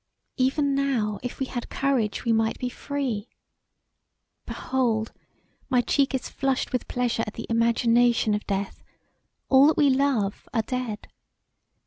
Even now if we had courage we might be free. Behold, my cheek is flushed with pleasure at the imagination of death; all that we love are dead.